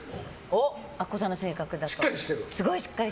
あっこさんの性格だと。